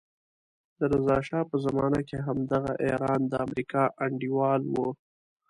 د رضا شا په زمانه کې همدغه ایران د امریکا انډیوال وو.